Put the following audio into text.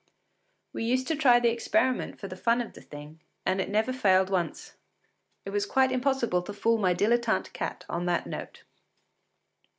We used to try the experiment for the fun of the thing, and it never failed once. It was quite impossible to fool my dilettante cat on that note.